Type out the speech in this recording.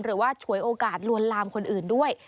ฉวยโอกาสลวนลามคนอื่นด้วย